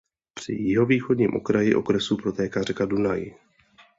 Při jihovýchodním okraji okresu protéká řeka Dunaj.